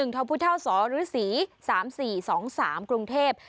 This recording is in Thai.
๑ท้าวพุท่าวสรศรศรี๓๔๒๓กรุงเทพฯ